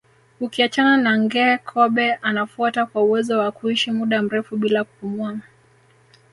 Ukiachana na nge kobe anafuata kwa uwezo wa kuishi muda mrefu bila kupumua